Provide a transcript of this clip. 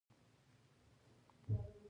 احمد يې پرون په ناسته کې تر بڼکې سپک کړ.